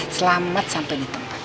selamat sampai di tempat